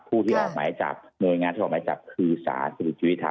ผู้ที่ออกหมายจับหน่วยงานที่ออกหมายจับคือสารสิริชุวิตครับ